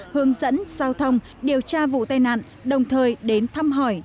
hướng dẫn giao thông điều tra vụ tai nạn đồng thời đến thăm hỏi